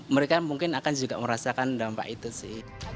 mereka mungkin akan juga merasakan dampak itu sih